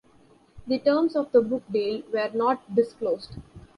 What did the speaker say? The terms of the book deal were not disclosed.